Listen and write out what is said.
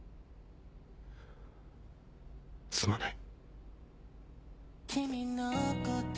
すまない。